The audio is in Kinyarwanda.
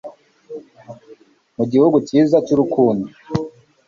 Mu gihugu cyiza cy'urukundo